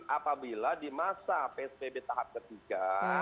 apabila di masa psbb tahap ketiga